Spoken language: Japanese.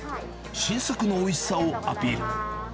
新作のおいしさをアピール。